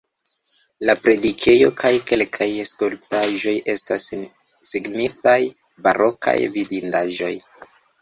La predikejo kaj kelkaj skulptaĵoj estas signifaj barokaj vidindaĵoj.